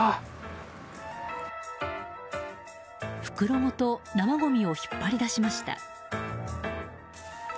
袋ごと生ごみを引っ張り出しました。